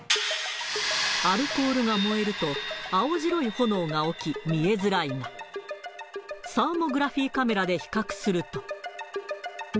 アルコールが燃えると、青白い炎が起き、見えづらいが、サーモグラフィーカメラで比較すると。